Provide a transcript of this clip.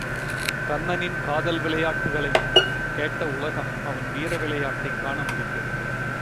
கண்ணனின் காதல் விளையாட்டுக்களைக் கேட்ட உலகம் அவன் வீர விளையாட்டைக் காண முடிந்தது.